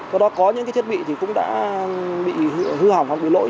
do đó có những cái thiết bị thì cũng đã bị hư hỏng hoặc bị lỗi